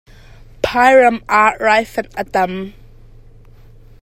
Phairam ah raifanh a tam.